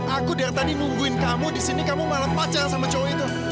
aku dari tadi nungguin kamu di sini kamu malah pacaran sama cowok itu